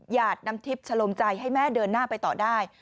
น้ำทิพย์ชะลมใจให้แม่เดินหน้าไปต่อได้